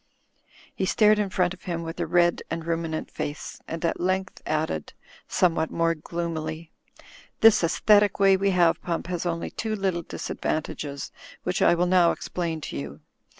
He stared in front of him with a red and ruminan}: face, and at length added, somewhat more gloomily, "This aesthetic way we have, Hump, has only two little disadvantages which I will now explain to you.